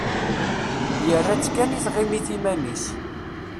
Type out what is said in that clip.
Yerra-tt kan i tɣimit iman-is.